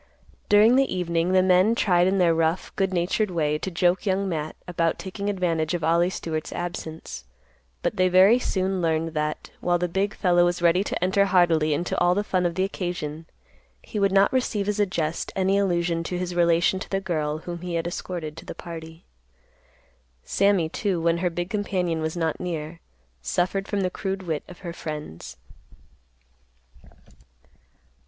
During the evening, the men tried in their rough, good natured way, to joke Young Matt about taking advantage of Ollie Stewart's absence, but they very soon learned that, while the big fellow was ready to enter heartily into all the fun of the occasion, he would not receive as a jest any allusion to his relation to the girl, whom he had escorted to the party. Sammy, too, when her big companion was not near, suffered from the crude wit of her friends.